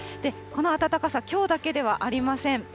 この暖かさ、きょうだけではありません。